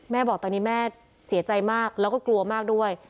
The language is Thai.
บอกตอนนี้แม่เสียใจมากแล้วก็กลัวมากด้วย